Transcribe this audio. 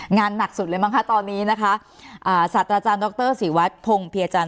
งานหนักสุดเลยบ้างค่ะตอนนี้นะคะสัตว์อาจารย์ดรศิวัฒน์พรงพี่อาจารย์